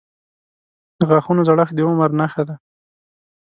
• د غاښونو زړښت د عمر نښه ده.